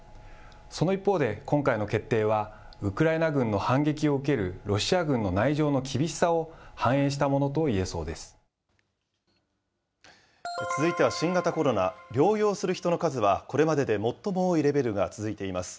その一方で、今回の決定は、ウクライナ軍の反撃を受けるロシア軍の内情の厳しさを反映したも続いては新型コロナ、療養する人の数は、これまでで最も多いレベルが続いています。